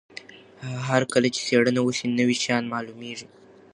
هر کله چې څېړنه وسي نوي شیان معلومیږي.